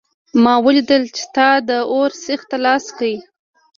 ما ولیدل چې تا د اور سیخ ته لاس کړ